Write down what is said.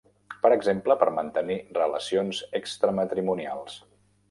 Per exemple, per mantenir relacions extramatrimonials.